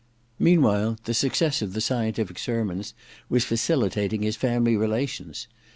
Meanwhile the success of the Scientific Sermons was facilitating his family relations.